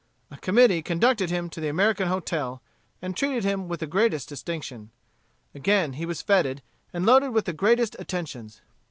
A committee conducted him to the American Hotel, and treated him with the greatest distinction. Again he was feted, and loaded with the greatest attentions.